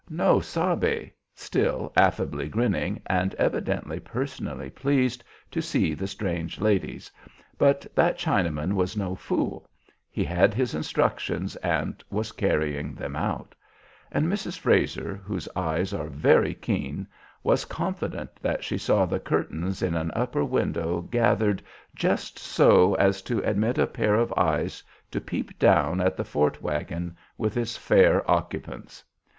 'No sabe,' still affably grinning, and evidently personally pleased to see the strange ladies; but that Chinaman was no fool; he had his instructions and was carrying them out; and Mrs. Frazer, whose eyes are very keen, was confident that she saw the curtains in an upper window gathered just so as to admit a pair of eyes to peep down at the fort wagon with its fair occupants.